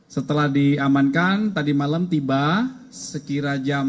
setelah diamankan tadi malam tiba sekira jam